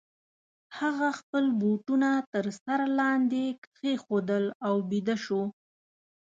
هغه خپل بوټونه تر سر لاندي کښېښودل او بیده سو.